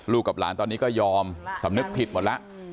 กับหลานตอนนี้ก็ยอมสำนึกผิดหมดแล้ว